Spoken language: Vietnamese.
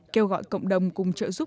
kêu gọi cộng đồng cùng trợ giúp